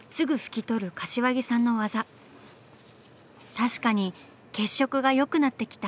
確かに血色がよくなってきた。